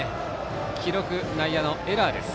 記録、内野のエラーです。